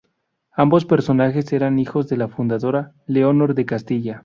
Ambos personajes eran hijos de la fundadora, Leonor de Castilla.